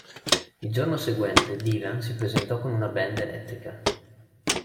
Il giorno seguente, Dylan si presentò con una band elettrica.